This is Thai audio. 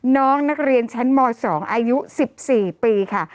น้องนักเรียนชั้นม๒อายุ๑๔ปีค่ะ